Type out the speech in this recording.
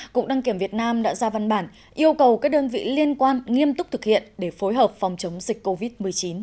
cục đăng kiểm việt nam đã ra văn bản yêu cầu các đơn vị liên quan nghiêm túc thực hiện để phối hợp phòng chống dịch covid một mươi chín